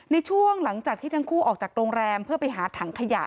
ในช่วงหลังจากที่ทั้งคู่ออกจากโรงแรมเพื่อไปหาถังขยะ